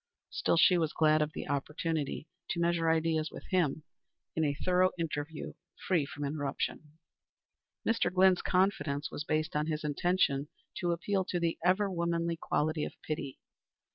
Still, she was glad of the opportunity to measure ideas with him in a thorough interview free from interruption. Mr. Glynn's confidence was based on his intention to appeal to the ever womanly quality of pity.